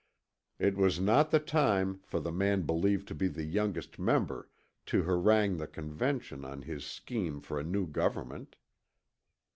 It was not the time for the man believed to be the youngest member to harangue the Convention on his scheme for a new government.